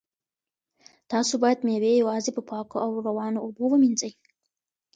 تاسو باید مېوې یوازې په پاکو او روانو اوبو ومینځئ.